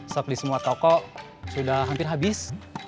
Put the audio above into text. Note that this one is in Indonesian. stok di semua toko sudah hampir habis